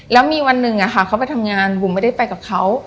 แล้วมีวันหนึ่งเขาไปทำงานบุ๋มไม่ได้ไปกับเขา